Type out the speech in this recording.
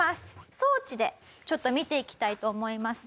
装置でちょっと見ていきたいと思います。